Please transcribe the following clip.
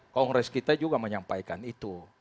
kongres kita juga menyampaikan itu